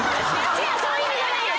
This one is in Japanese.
違うそういう意味じゃないよ！